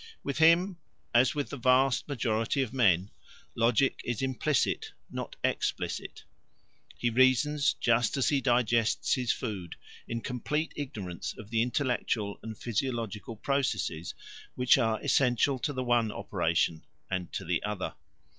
With him, as with the vast majority of men, logic is implicit, not explicit: he reasons just as he digests his food in complete ignorance of the intellectual and physiological processes which are essential to the one operation and to the other.